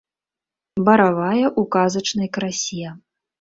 Баравая ў казачнай красе.